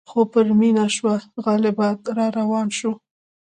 خو پرې مینه شوه غالبه را روان شو.